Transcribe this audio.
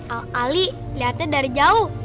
ali liatnya dari jauh